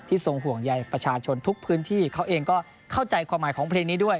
ทรงห่วงใยประชาชนทุกพื้นที่เขาเองก็เข้าใจความหมายของเพลงนี้ด้วย